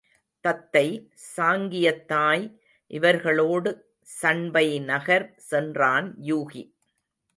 தத்தை, சாங்கியத் தாய் இவர்களோடு சண்பை நகர் சென்றான் யூகி.